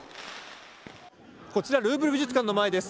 こちらルーブル美術館の前です。